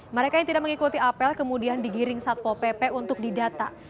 mereka yang tidak mengikuti apel kemudian digiring satpo pp untuk didata